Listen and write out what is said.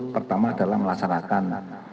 pertama adalah melaksanakan